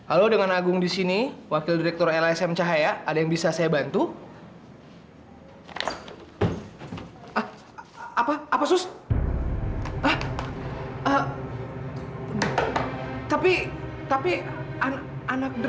aku selalu bikin susah aku selalu bikin kesel